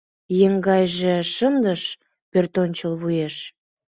еҥгайже шындыш пӧртӧнчыл вуеш